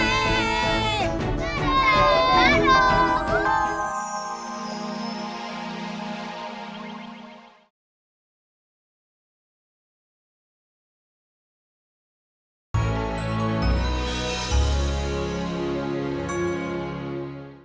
selamat tahun baru